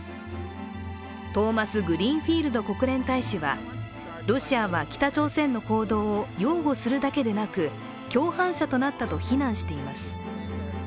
トーマスグリーンフィールド国連大使はロシアは北朝鮮の行動を擁護するだけでなく共犯者となったと非難しています。